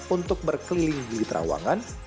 untuk berkeliling gili trawangan